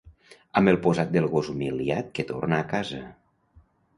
Amb el posat del gos humiliat que torna a casa...